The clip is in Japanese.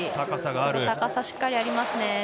高さしっかりありますね。